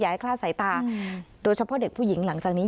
ให้คลาดสายตาโดยเฉพาะเด็กผู้หญิงหลังจากนี้